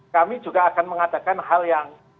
kami juga akan mengadakan hal yang